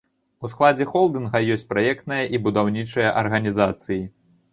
У складзе холдынга ёсць праектная і будаўнічая арганізацыі.